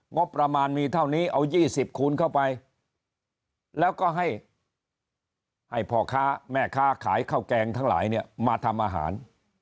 งบประมาณมีเท่านี้เอา๒๐คูณเข้าไปแล้วก็ให้พ่อค้าแม่ค้าขายข้าวแกงทั้งหลายเนี่ยมาทำอาหาร